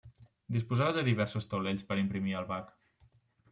Disposava de diversos taulells per imprimir al bac.